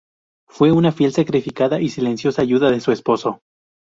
Fue una fiel, sacrificada y silenciosa ayuda de su esposo.